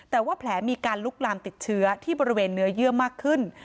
แต่ว่าแผลมีการลุกลามติดเชื้อที่บริเวณเนื้อเยื่อมากขึ้น